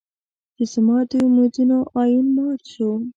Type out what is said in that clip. چې زما د امېدونو ائين مات شو